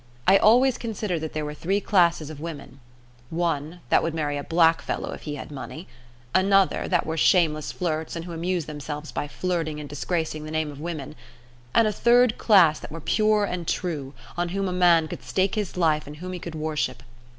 I always considered that there were three classes of women one, that would marry a blackfellow if he had money; another, that were shameless flirts, and who amuse themselves by flirting and disgracing the name of woman; and a third class that were pure and true, on whom a man could stake his life and whom he could worship.